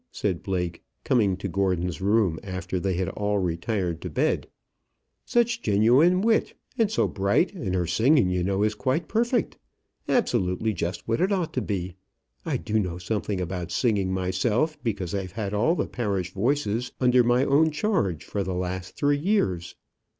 said Blake, coming to Gordon's room after they had all retired to bed; "such genuine wit, and so bright, and her singing, you know, is quite perfect, absolutely just what it ought to be. I do know something about singing myself, because I've had all the parish voices under my own charge for the last three years.